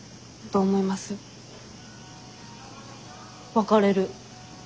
別れる。